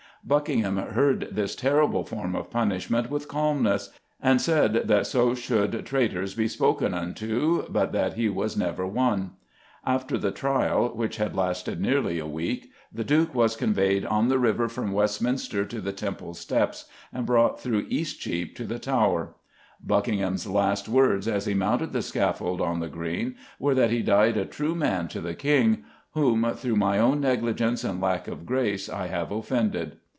Buckingham heard this terrible form of punishment with calmness, and said that so should traitors be spoken unto, but that he was never one. After the trial, which had lasted nearly a week, the Duke was conveyed on the river from Westminster to the Temple steps and brought through Eastcheap to the Tower. Buckingham's last words as he mounted the scaffold on the Green were that he died a true man to the King, "whom, through my own negligence and lack of grace I have offended."